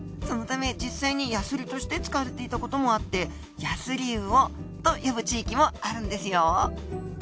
そのため実際にヤスリとして使われていたこともあってヤスリウオと呼ぶ地域もあるんですよ。